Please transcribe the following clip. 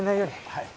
はい。